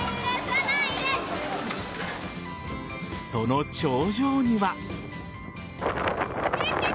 その頂上には。